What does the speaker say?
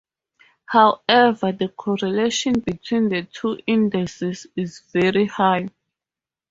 However, the correlation between the two indices is very high.